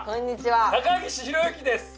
高岸宏行です。